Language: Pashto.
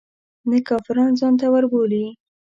نه کافران ځانته وربولي.